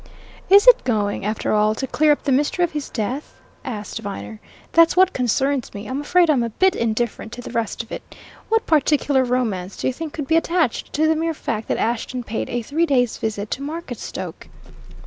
"Is it going, after all, to clear up the mystery of his death?" asked Viner. "That's what concerns me I'm afraid I'm a bit indifferent to the rest of it. What particular romance, do you think, could be attached to the mere fact that Ashton paid a three days' visit to Marketstoke?"